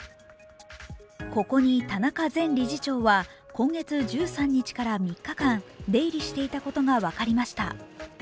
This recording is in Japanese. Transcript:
ここに田中前理事長は今月１３日から３日間出入りしたことが分かりました。